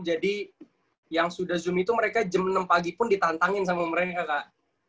jadi yang sudah zoom itu mereka jam enam pagi pun ditantangin sama omren kakak